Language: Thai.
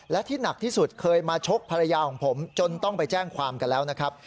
และที่หนักที่สุดเคยมาชกภรรยาของผมจนต้องไปแจ้งความกันแล้วนะครับ